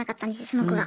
その子が。